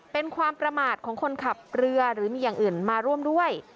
เป็นความประมาทของคนขับเรือหรือมีอย่างอื่นมาร่วมด้วย